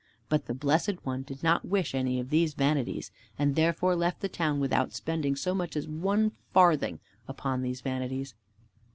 But the Blessed One did not wish any of these vanities, and therefore left the town without spending so much as one farthing upon these vanities.